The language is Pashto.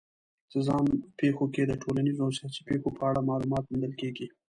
په ځان پېښو کې د ټولنیزو او سیاسي پېښو په اړه معلومات موندل کېږي.